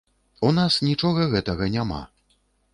У нас нічога гэтага няма.